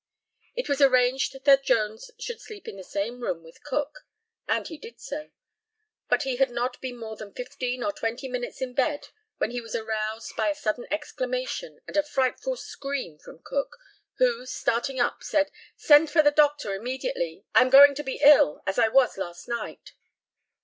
It was arranged that Jones should sleep in the same room with Cook, and he did so; but he had not been more than fifteen or twenty minutes in bed when he was aroused by a sudden exclamation, and a frightful scream from Cook, who, starting up, said, "Send for the doctor immediately; I am going to be ill, as I was last night."